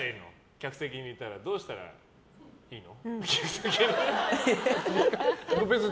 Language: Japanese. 客席にいたらどうしたらいいの？